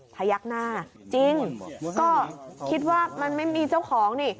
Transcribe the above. พยักหน้าจริงก็คิดว่ามันไม่มีเจ้าของนี่